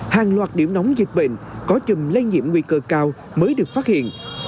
hàng loạt điểm nóng dịch bệnh có chùm lây nhiễm nguy cơ cao mới được phát hiện